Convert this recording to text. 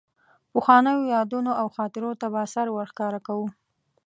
پخوانیو یادونو او خاطرو ته به سر ورښکاره کاوه.